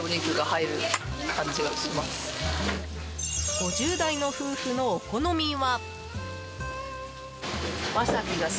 ５０代の夫婦のお好みは。